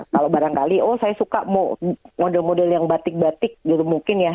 kalau barangkali oh saya suka model model yang batik batik gitu mungkin ya